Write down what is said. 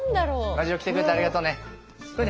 ガジロウ来てくれてありがとうね。